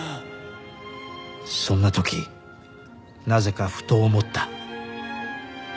そんな時なぜかふと思った。